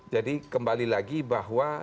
jadi kembali lagi bahwa